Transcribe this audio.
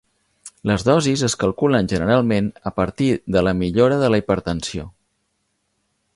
Les dosis es calculen generalment a partir de la millora de la hipertensió.